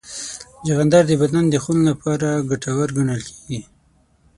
چغندر د بدن د خون لپاره ګټور ګڼل کېږي.